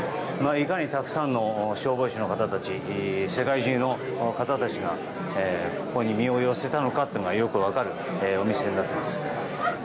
いかにたくさんの消防士の方たち世界中の方たちがここに身を寄せたのかというのがよく分かるお店になっています。